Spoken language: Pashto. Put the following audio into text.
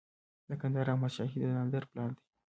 د کندهار احمد شاهي د نادر پلان دی